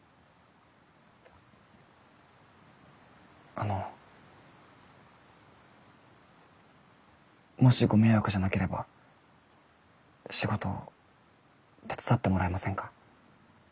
あのもしご迷惑じゃなければ仕事手伝ってもらえませんか？